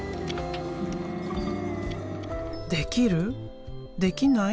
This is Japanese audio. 「できる？できない？